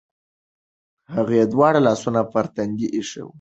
هغه دواړه لاسونه پر تندي ایښي و.